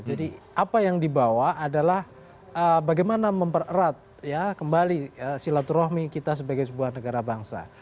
jadi apa yang dibawa adalah bagaimana mempererat ya kembali silaturahmi kita sebagai sebuah negara bangsa